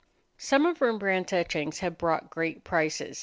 Some of Rembrandt's etchings have brought great prices.